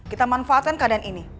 kita manfaatkan keadaan ini